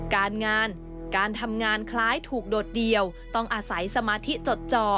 การงานการทำงานคล้ายถูกโดดเดี่ยวต้องอาศัยสมาธิจดจ่อ